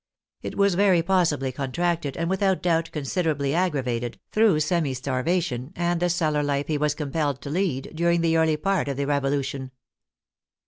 It was very possibly contracted, and without doubt considerably aggravated, through semi starvation and the cellar life he was com pelled to lead during the early part of the Revolution.